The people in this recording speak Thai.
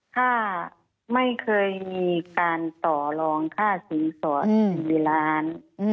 ค่ะไม่เคยมีการต่อรองค่าสินสอด๑ล้าน